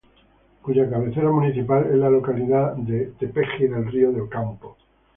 Cuya cabecera municipal es la localidad de Tepeji del Río de Ocampo.